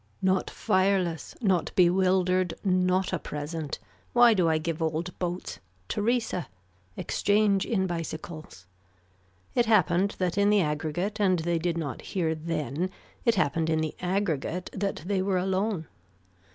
Not fireless. Not bewildered. Not a present. Why do I give old boats. Theresa. Exchange in bicycles. It happened that in the aggregate and they did not hear then, it happened in the aggregate that they were alone.